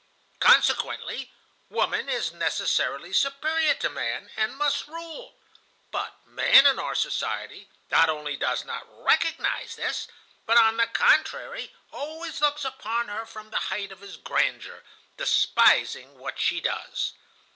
Consequently woman is necessarily superior to man, and must rule. But man, in our society, not only does not recognize this, but, on the contrary, always looks upon her from the height of his grandeur, despising what she does.